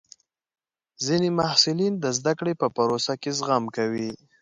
ځینې محصلین د زده کړې په پروسه کې زغم کوي.